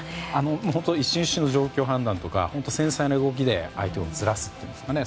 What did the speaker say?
一瞬一瞬の状況判断とか繊細な動きで相手をずらすというんですかね